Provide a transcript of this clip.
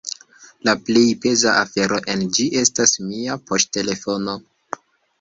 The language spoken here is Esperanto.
La plej peza afero en ĝi estas mia poŝtelefono.